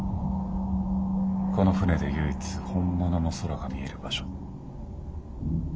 この船で唯一本物の空が見える場所。